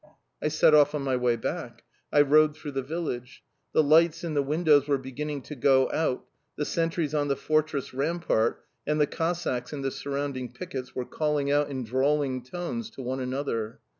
I set off on my way back. I rode through the village. The lights in the windows were beginning to go out; the sentries on the fortress rampart and the Cossacks in the surrounding pickets were calling out in drawling tones to one another.